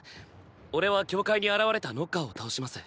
俺は教会に現れたノッカーを倒します。